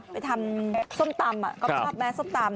ไปทำส้มตำก็ชอบไหมส้มตำ